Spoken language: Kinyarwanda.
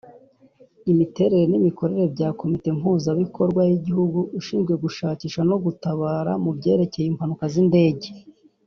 imiterere n’imikorere bya Komite Mpuzabikorwa y’Igihugu ishinzwe gushakisha no gutabara mu byerekeye impanuka z’indege